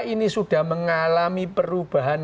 ini sudah mengalami perubahan